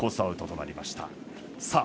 アウトとなりました。